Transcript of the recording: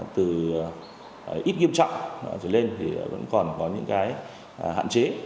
từ ít nghiêm trọng trở lên thì vẫn còn có những cái hạn chế